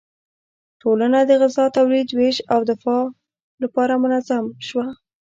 ټولنه د غذا تولید، ویش او دفاع لپاره منظم شوه.